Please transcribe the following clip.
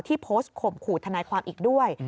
โพสต์ข่มขู่ทนายความอีกด้วย